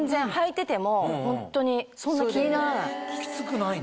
きつくないんだ？